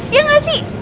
iya gak sih